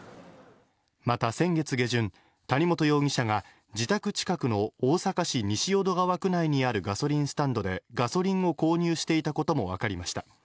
また、先月下旬、谷本容疑者が自宅近くの大阪市西淀川区内にあるガソリンスタンドでガソリンを購入していたこともわかりました。